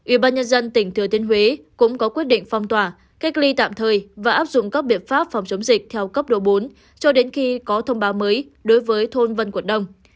ủy ban nhân dân tỉnh thừa thiên huế cũng có quyết định phong tỏa cách ly tạm thời và áp dụng các biện pháp phòng chống dịch theo cấp độ bốn cho đến khi có thông báo mới đối với thôn vân quận đông